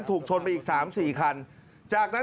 ถึง๓๓คัน